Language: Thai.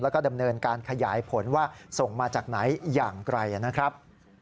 แล้วก็ดำเนินการขยายผลว่าส่งมาจากไหนอย่างไกลนะครับ